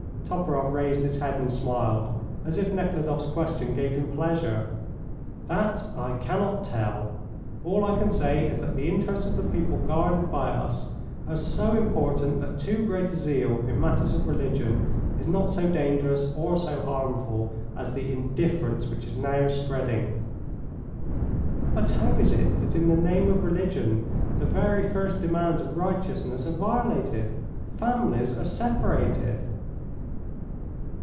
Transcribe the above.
Toporoff raised his head and smiled, as if Nekhludoff's question gave him pleasure. "That I cannot tell. All I can say is that the interests of the people guarded by us are so important that too great a zeal in matters of religion is not so dangerous or so harmful as the indifference which is now spreading " "But how is it that in the name of religion the very first demands of righteousness are violated families are separated?"